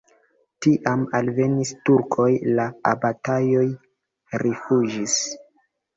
Tiam alvenis turkoj, la abatoj rifuĝis.